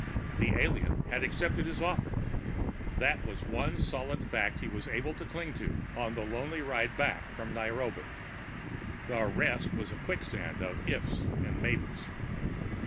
The alien had accepted his offer. That was the one solid fact he was able to cling to, on the lonely night ride back from Nairobi. The rest was a quicksand of ifs and maybes.